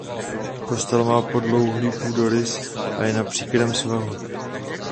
Kostel má podlouhlý půdorys a je na příkrém svahu.